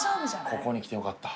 ここに来てよかった。